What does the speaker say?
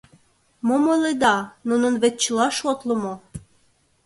— Мом ойледа, нунын вет чыла шотлымо...